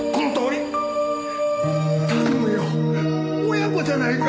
親子じゃないか！